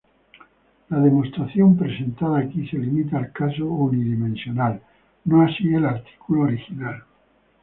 La demostración presentada aquí se limita al caso unidimensional, no así el artículo original.